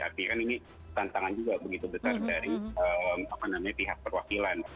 artinya kan ini tantangan juga begitu besar dari pihak perwakilan